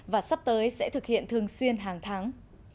và sắp tới sẽ thực hiện thường xuyên hàng tháng